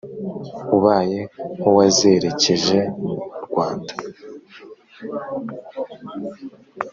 ubaye nk'uwazerekeje mu rwanda.